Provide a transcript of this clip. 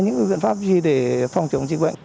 những biện pháp gì để phòng chống dịch bệnh